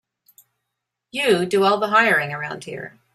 You do all the hiring around here.